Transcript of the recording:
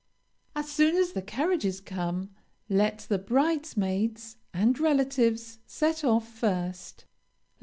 As soon as the carriages come, let the bridesmaids, and relatives set off first.